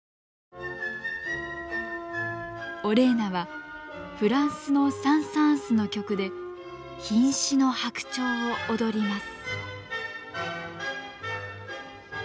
オレーナはフランスのサン＝サーンスの曲で「瀕死の白鳥」を踊ります。